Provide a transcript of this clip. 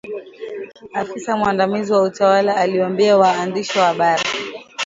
Afisa mwandamizi wa utawala aliwaambia waandishi wa habari.